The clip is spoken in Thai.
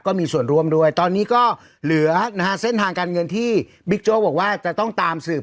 ก็มีส่วนร่วมด้วยตอนนี้ก็เหลือนะฮะเส้นทางการเงินที่บิ๊กโจ๊กบอกว่าจะต้องตามสืบ